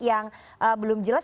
yang belum jelas